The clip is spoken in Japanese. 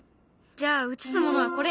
じゃあ映すものはこれ。